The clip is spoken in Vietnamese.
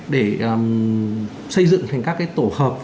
để xây dựng thành các cái tổ hợp